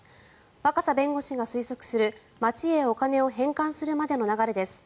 若狭弁護士が推測する町へお金を返還するまでの流れです。